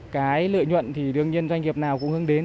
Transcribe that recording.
cái lợi nhuận thì đương nhiên doanh nghiệp nào cũng hướng đến